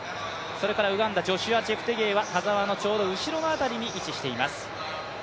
ウガンダジョシュア・チェプテゲイは田澤のちょうど後ろ辺りに位置しています。